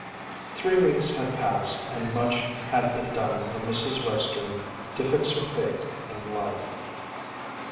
Three weeks had passed and much had been done for Mrs. Western to fix her fate in life.